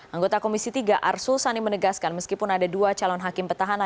anggota komisi tiga arsul sani menegaskan meskipun ada dua calon hakim petahana